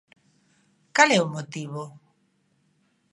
Cal é o motivo?